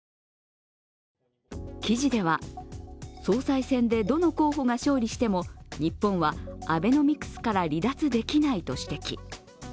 記事では、総裁選でどの候補が勝利しても日本はアベノミクスから離脱できないと指摘。